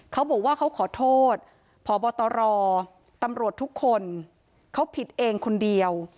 เขาบอกว่าเขาขอโทษพบตรตำรวจทุกคนเขาผิดเองคนเดียว